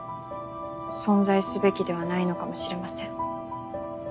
存在すべきではないのかもしれません。